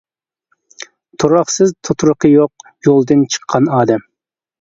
تۇراقسىز، تۇتۇرۇقى يوق، يولدىن چىققان ئادەم.